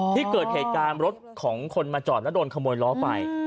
ที่เกิดเหตุการณ์รถของคนมาจอดแล้วโดนขโมยล้อไป